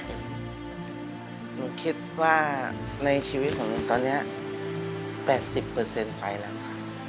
ผมคิดว่าในชีวิตของผมตอนเนี้ย๘๐ไฟแล้วอะค่ะ